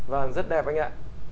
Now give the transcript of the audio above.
vâng rất đẹp anh ạ